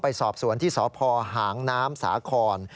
ไปสอบสวนที่สพหางน้ำสาคร